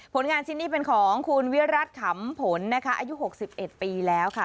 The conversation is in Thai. ผลงานชิ้นนี้เป็นของคุณเวียดรัชขำผลอายุ๖๑ปีแล้วค่ะ